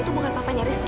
itu bukan papanya rizky